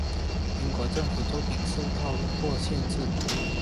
英国政府作品受到或限制。